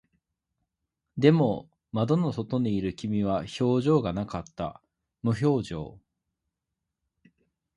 でも、窓の外にいる君は表情がなかった。無表情。